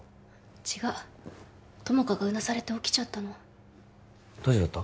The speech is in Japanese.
違う友果がうなされて起きちゃったの大丈夫だった？